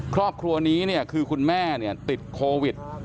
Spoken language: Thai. ครอบครัวนี้คือคุณแม่ติดโควิด